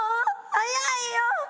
早いよ！